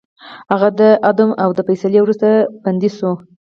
هغه د اعدام د فیصلې وروسته بندي شو.